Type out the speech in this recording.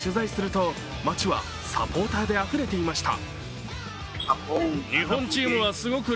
現地を取材すると街はサポーターであふれていました。